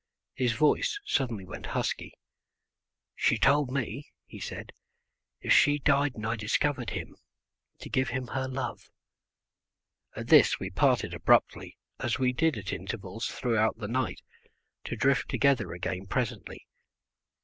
His voice suddenly went husky. "She told me," he said, "if she died and I discovered him, to give him her love." At this we parted abruptly, as we did at intervals throughout the night, to drift together again presently.